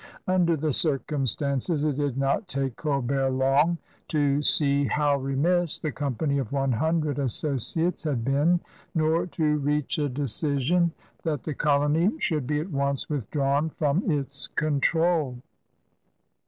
Under the circumstances it did not take G>Ibert long to see how remiss the G>mpany of One Hun dred Associates had been, nor to reach a decision that the colony should be at once withdrawn from its control.